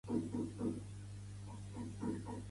El seu cognom és Melon: ema, e, ela, o, ena.